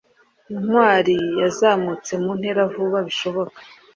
ntwali yazamutse mu ntera vuba bishoboka